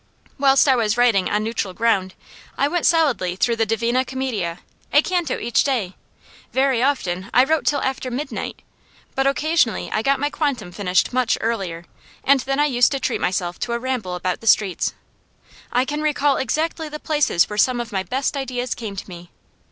Whilst I was writing "On Neutral Ground" I went solidly through the "Divina Commedia," a canto each day. Very often I wrote till after midnight, but occasionally I got my quantum finished much earlier, and then I used to treat myself to a ramble about the streets. I can recall exactly the places where some of my best ideas came to me.